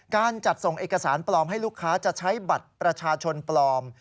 การจัดส่งเอกสารปลอมให้ลูกค้าจะใช้บัตรประชาชนปลอม